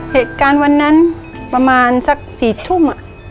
เหตุการณ์วันนั้นประมาณสัก๔ทุ่ม